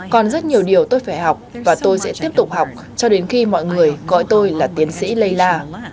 còn rất nhiều điều tôi phải học và tôi sẽ tiếp tục học cho đến khi mọi người gọi tôi là tiến sĩ lê la